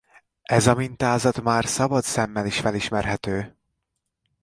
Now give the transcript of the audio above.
Ez a mintázat már szabad szemmel is felismerhető.